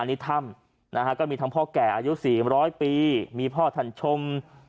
อันนี้ถ้ำนะฮะก็มีทั้งพ่อแก่อายุ๔๐๐ปีมีพ่อท่านชม